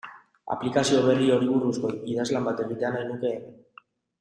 Aplikazio berri horri buruzko idazlan bat egitea nahi nuke hemen.